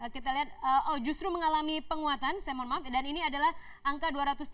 kita lihat justru mengalami penguatan dan ini adalah angka dua ratus tiga puluh delapan